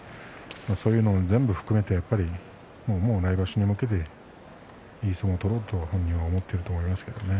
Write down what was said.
そういうのも全部含めてもう来場所に向けていい相撲を取ろうと本人は思っていると思いますけれどね。